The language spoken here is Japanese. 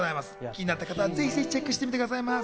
気になった方はぜひぜひチェックしてみてくださいね。